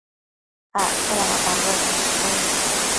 Acte dada tanduec nidshu